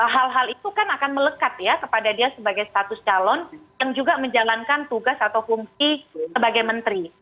hal hal itu kan akan melekat ya kepada dia sebagai status calon yang juga menjalankan tugas atau fungsi sebagai menteri